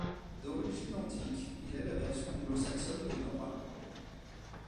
D'origine antique, il est la version anglo-saxonne de Nora.